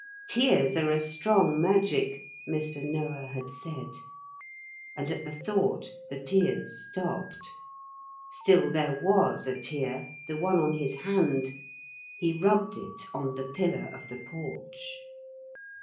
'Tears are a strong magic,' Mr. Noah had said. And at the thought the tears stopped. Still there was a tear, the one on his hand. He rubbed it on the pillar of the porch.